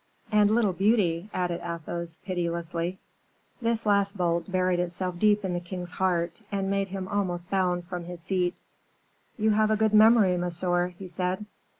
"And little beauty," added Athos, pitilessly. This last bolt buried itself deep in the king's heart, and made him almost bound from his seat. "You have a good memory, monsieur," he said.